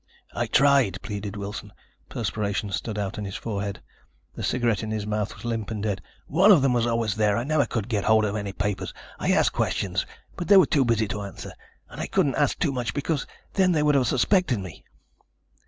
"I tried," pleaded Wilson. Perspiration stood out on his forehead. The cigarette in his mouth was limp and dead. "One of them was always there. I never could get hold of any papers. I asked questions, but they were too busy to answer. And I couldn't ask too much, because then they would have suspected me."